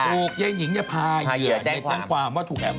ถูกเย้นหญิงจะพาเหยื่อแจ้งความว่าถูกแอบ